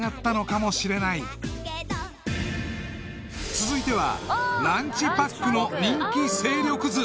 ［続いては］